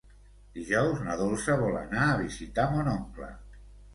Dijous na Dolça vol anar a visitar mon oncle.